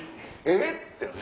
えっ。